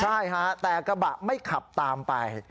ใช่ฮะแต่กระบะไม่ขับตามไป